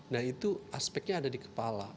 nah itu aspeknya ada di kepala